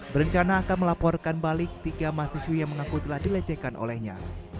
berencana akan melaporkan balik tiga mahasiswi yang mengaku telah dilecehkan olehnya